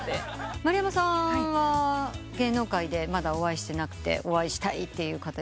丸山さんは芸能界でまだお会いしてなくてお会いしたいって方いらっしゃいますか？